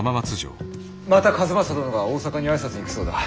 また数正殿が大坂に挨拶に行くそうだ。